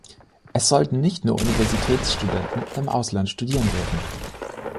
Es sollten nicht nur Universitätsstudenten im Ausland studieren dürfen.